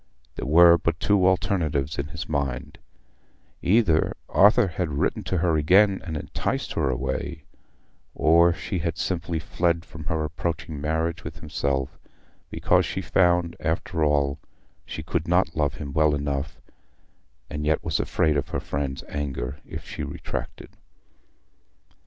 There were but two alternatives in his mind: either Arthur had written to her again and enticed her away, or she had simply fled from her approaching marriage with himself because she found, after all, she could not love him well enough, and yet was afraid of her friends' anger if she retracted.